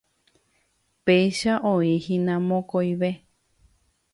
Péicha oĩhína mokõive.